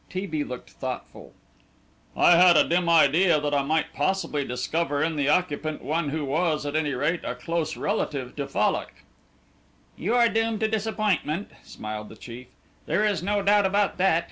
T. B. looked thoughtful. "I had a dim idea that I might possibly discover in the occupant one who was, at any rate, a close relative to Fallock." "You are doomed to disappointment," smiled the chief; "there is no doubt about that.